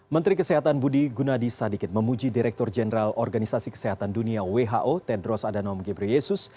menteri kesehatan budi gunadi sadikin memuji direktur jenderal organisasi kesehatan dunia who tedros adhanom gebreyesus